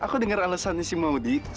aku denger alesannya si maudie